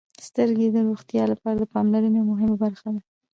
• سترګې د روغتیا لپاره د پاملرنې یوه مهمه برخه ده.